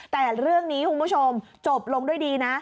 แต่เรื่องนี้คุณผู้ชมจบลงด้วยดีนะ